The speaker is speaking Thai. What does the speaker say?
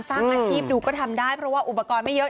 สร้างอาชีพดูก็ทำได้เพราะว่าอุปกรณ์ไม่เยอะ